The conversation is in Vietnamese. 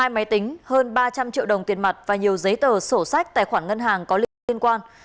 hai máy tính hơn ba trăm linh triệu đồng tiền mặt và nhiều giấy tờ sổ sách tài khoản ngân hàng có liên quan